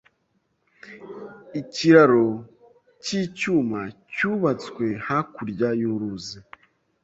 Ikiraro cy'icyuma cyubatswe hakurya y'uruzi.